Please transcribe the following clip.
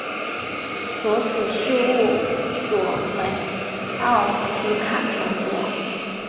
所属事务所为奥斯卡传播。